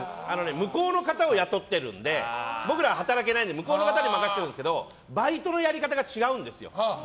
向こうの方を雇ってるので僕らは働けないんで向こうの方を任せてるのでバイトのやり方が違うんですよ。